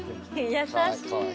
優しい。